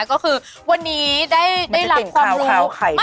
ก็คือวันนี้ได้รับความรู้มันจะกินคาวไขมันนะ